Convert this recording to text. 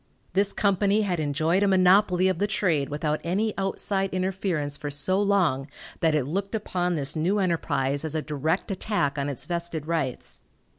This company had enjoyed a monopoly of the trade without any outside interference for so long that it looked upon this new enterprise as a direct attack on its vested rights.